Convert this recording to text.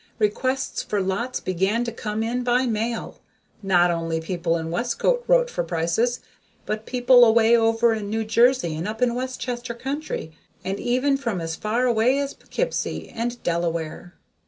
Requests for lots began to come in by mail. Not only people in Westcote wrote for prices, but people away over in New Jersey and up in Westchester Country, and even from as far away as Poughkeepsie and Delaware.